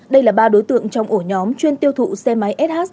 đây là ba đối tượng trong ổ nhóm chuyên tiêu thụ xe máy s has